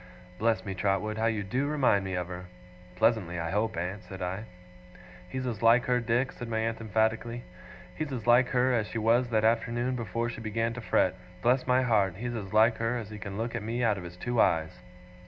'Bless me, Trotwood, how you do remind me of her!' 'Pleasantly, I hope, aunt?' said I. 'He's as like her, Dick,' said my aunt, emphatically, 'he's as like her, as she was that afternoon before she began to fret bless my heart, he's as like her, as he can look at me out of his two eyes!